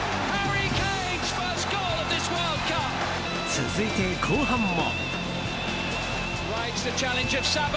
続いて、後半も。